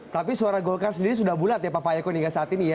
tapi suara gulkar sendiri sudah bulat ya pak pak ayako hingga saat ini ya